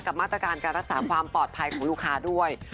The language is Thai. มาตรการการรักษาความปลอดภัยของลูกค้าด้วย